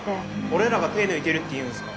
俺らが手抜いてるっていうんですか？